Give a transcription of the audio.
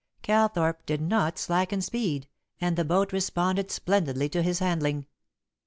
Calthorpe did not slacken speed, and the boat responded splendidly to his handling.